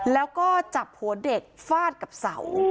แล้วก็จับหัวเด็กฟาดกับเสา